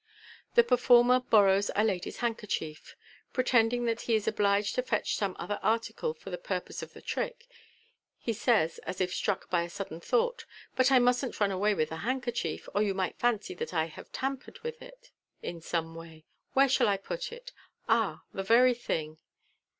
The performer borrows a lady's handkerchief. Pretending that he is obliged to fetch some other article for the purpose of the trick, he says, as if struck by a sudden thought, " But I mustn't run away with the handkerchief, or you might fancy that I had tampered with it in some way. Where shall I put it ? Ah ! the very thing.